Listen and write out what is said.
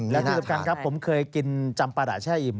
และที่สำคัญครับผมเคยกินจำปาดะแช่อิ่